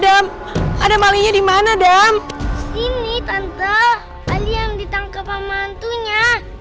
adam adam ali dimana dam sini tante yang ditangkap pemandunya